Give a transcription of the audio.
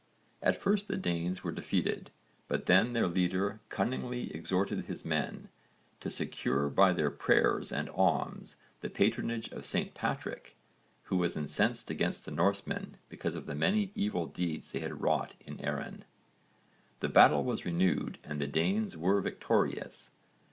At first the Danes were defeated, but then their leader cunningly exhorted his men to secure by their prayers and alms the patronage of St Patrick, who was incensed against the Norsemen because of the many evil deeds they had wrought in Erin. The battle was renewed and the Danes were victorious.